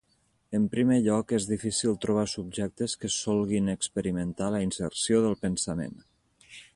En primer lloc, és difícil trobar subjectes que solguin experimentar la inserció del pensament.